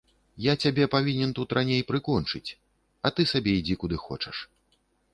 Я цябе павінен тут раней прыкончыць, а ты сабе ідзі куды хочаш.